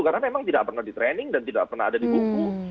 karena memang tidak pernah di training dan tidak pernah ada di buku